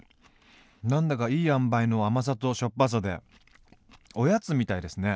何だかいい塩梅の甘さとしょっぱさでおやつみたいですね。